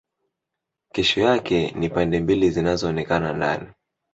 Kesho yako ni pande mbili zinazoonekana ndani